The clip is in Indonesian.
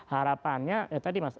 harapannya ya tadi mas